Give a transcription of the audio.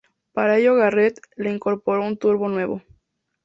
Para ello Garret le incorporó un turbo nuevo.